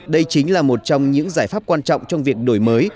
đây chính là một trong những giải pháp quan trọng trong việc đổi mới